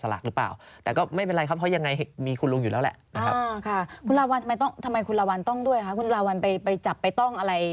แล้วทำไมคุณลาวัลต้องด้วยคะคุณลาวัลไปจับไปต้องอะไร